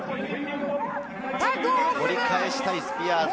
取り返したいスピアーズ。